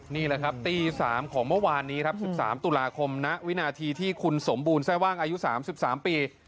นี่แหละครับตี๓ของเมื่อวานนี้ครับ๑๓ตุลาคมณวินาทีที่คุณสมบูรณแทร่ว่างอายุ๓๓ปี